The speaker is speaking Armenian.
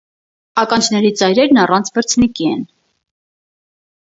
Ականջների ծայրերն առանց վրձնիկի են։